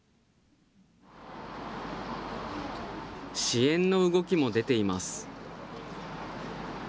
支援の動きも出ています。